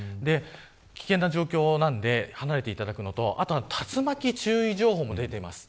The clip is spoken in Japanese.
危険な状況なので離れていただくことと竜巻注意情報も出ています。